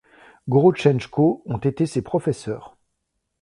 Goroсhtchenko ont été ses professeurs.